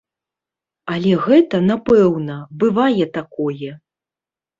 Але гэта, напэўна, бывае такое.